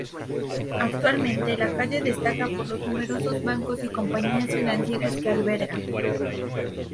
Actualmente, la calle destaca por los numerosos bancos y compañías financieras que alberga.